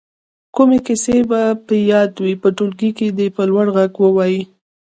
کومې کیسې په یاد وي په ټولګي کې دې په لوړ غږ ووايي.